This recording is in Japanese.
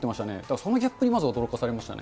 そのギャップにまず驚かされましたね。